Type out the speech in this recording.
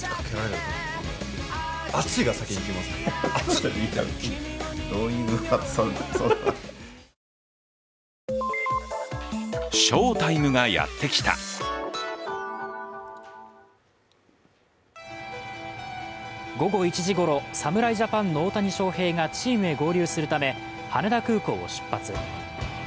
生田さん、実は昔から思っていたことが午後１時ごろ、侍ジャパンの大谷翔平がチームへ合流するため羽田空港を出発。